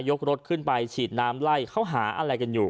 รถขึ้นไปฉีดน้ำไล่เขาหาอะไรกันอยู่